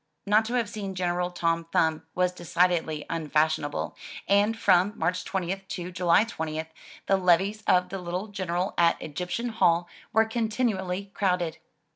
Not to have seen General Tom Thumb was decidedly unfashionable, and from March 20th to July 20th, the levees of the Httle General at Egyptian Hall were continually crowded.